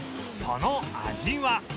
その味は